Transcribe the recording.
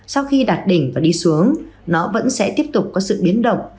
sau khi đạt đỉnh và đi xuống nó vẫn sẽ tiếp tục có sự biến động